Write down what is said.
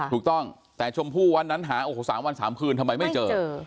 ถูกต้องแต่ชมพู่วันนั้นหาโอ้โห๓วัน๓คืนทำไมไม่เจอ